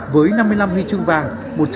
với năm mươi năm huy chương vàng